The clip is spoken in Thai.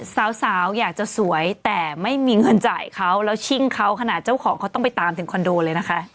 สาวอยากจะสวยแต่ไม่มีเงินจ่ายเขาแล้วชิ่งเขาขนาดเจ้าของเขาต้องไปตามถึงคอนโดเลยนะคะ